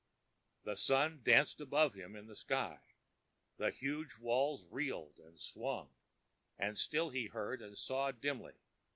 The sun danced above him in the sky, the huge walls reeled and swung, and still he heard and saw dimly.